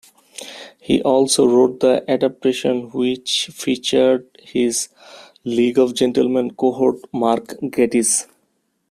He also wrote the adaptation, which featured his "League of Gentlemen" cohort Mark Gatiss.